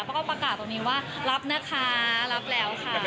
เขาก็ประกาศตรงนี้ว่ารับนะคะรับแล้วค่ะ